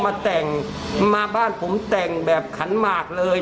มาแต่งมาบ้านผมแต่งแบบขันหมากเลย